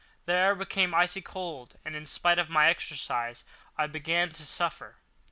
The air became icy cold, and in spite of my exercise I began to suffer.